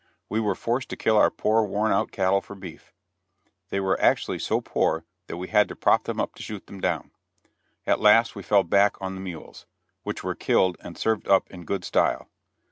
We were forced to kill our poor worn out cattle for beef. They were actually so poor that we had to prop them up to shoot them down. At last we fell back on the mules, which were killed and served up in good style.